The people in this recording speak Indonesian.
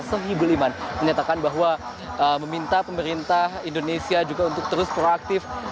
sohibul iman menyatakan bahwa meminta pemerintah indonesia juga untuk terus proaktif